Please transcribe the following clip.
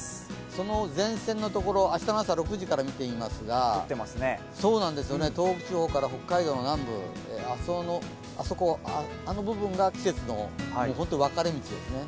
その前線のところ、明日の朝６時から見てみますが東北地方から北海道の南部、あの部分が季節の分かれ道ですね。